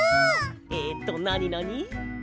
えっとなになに。